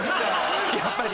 やっぱり？